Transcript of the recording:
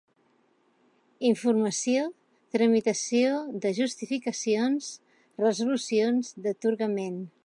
Informació, tramitació de justificacions, resolucions d'atorgament.